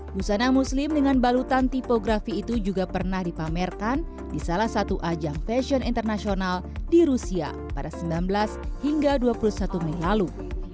busana muslim dengan balutan tipografi itu juga pernah dipamerkan di salah satu ajang fashion internasional di rusia pada sembilan belas hingga dua puluh satu mei lalu